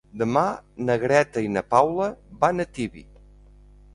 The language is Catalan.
Demà na Greta i na Paula van a Tibi.